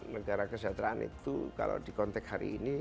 negara kesejahteraan itu kalau di konteks hari ini